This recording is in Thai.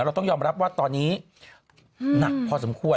เราต้องยอมรับว่าตอนนี้หนักพอสมควร